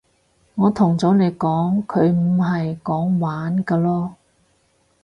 我同咗你講佢唔係講玩㗎囉